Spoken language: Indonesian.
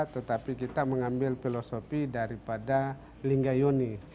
tetapi kita mengambil filosofi daripada lingga yoni